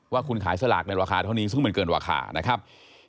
ว่าคุณขายสลากในราคาเท่านี้ซึ่งมันเกินราคานะครับ